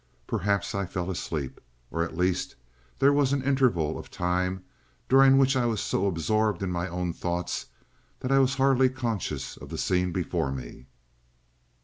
"Perhaps I fell asleep, or at least there was an interval of time during which I was so absorbed in my own thoughts I was hardly conscious of the scene before me.